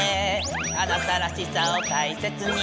「あなたらしさをたいせつに」